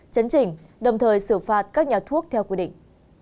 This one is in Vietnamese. chấn chỉnh đồng thời xử phạt các nhà thuốc theo quy định